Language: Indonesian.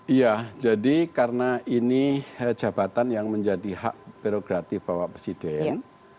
iya jadi karena ini jabatan yang menjadi hak birokratif bapak presiden